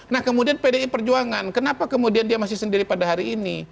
nah kemudian pdi perjuangan kenapa kemudian dia masih sendiri pada hari ini